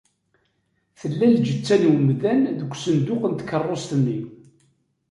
Tella lǧetta n wemdan deg usenduq n tkeṛṛust-nni.